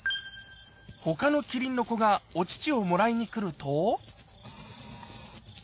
ほかのキリンの子がお乳をもらいに来ると。